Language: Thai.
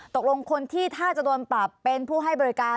ตกลงคนที่ถ้าจะโดนปรับเป็นผู้ให้บริการ